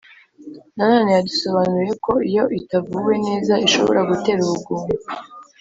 Nanone yadusobanuriye ko iyo itavuwe neza, ishobora gutera ubugumba,